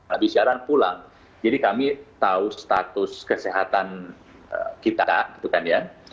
habis siaran pulang jadi kami tahu status kesehatan kita gitu kan ya